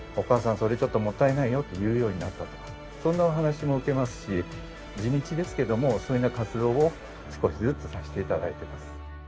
それちょっともったいないよって言うようになったとかそんなお話も受けますし地道ですけどもそんな活動を少しずつさせて頂いています。